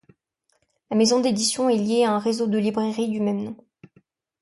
La maison d'éditions est lié à un réseau de librairies du même nom.